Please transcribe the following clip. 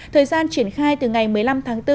thời gian triển khai từ ngày một mươi năm tháng bốn